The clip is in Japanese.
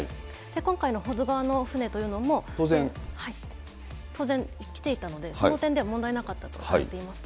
今回の保津川の船というのも当然着ていたので、その点では問題なかったと思っています。